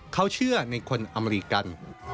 เขาเชื่อในคนอเมริกัน